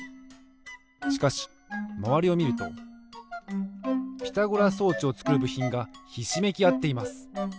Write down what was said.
しかしまわりをみるとピタゴラ装置をつくるぶひんがひしめきあっています。